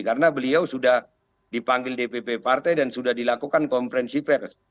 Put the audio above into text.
karena beliau sudah dipanggil dpp partai dan sudah dilakukan konferensi pers